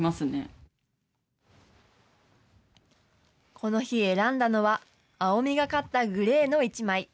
この日選んだのは、青みがかったグレーの一枚。